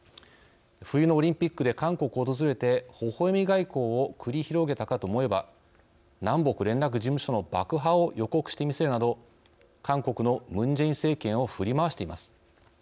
冬のオリンピックで韓国を訪れて微笑外交を繰り広げたかと思えば南北連絡事務所の爆破を予告してみせるなど韓国のムン・ジェイン政権を振り回しています。